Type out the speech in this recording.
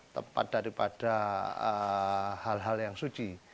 tepat daripada hal hal yang suci